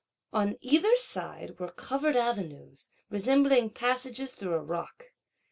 On either side, were covered avenues, resembling passages through a rock.